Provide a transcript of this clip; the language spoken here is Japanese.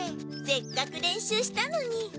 せっかく練習したのに。